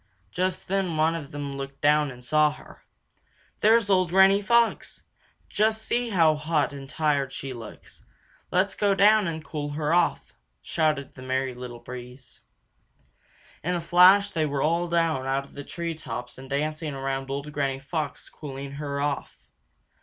Just then one of them looked down and saw her. "There's old Granny Fox! Just see how hot and tired she looks. Let's go down and cool her off!" shouted the Merry Little Breeze. In a flash they were all down out of the treetops and dancing around old Granny Fox, cooling her off.